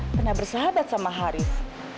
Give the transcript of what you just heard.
pernah bersahabat sama haris